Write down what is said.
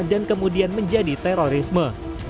dan kemudian menjadi terorisme